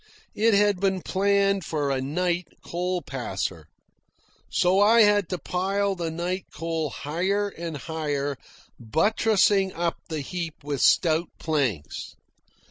It had been planned for a night coal passer. So I had to pile the night coal higher and higher, buttressing up the heap with stout planks.